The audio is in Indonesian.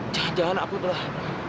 jangan jangan aku telah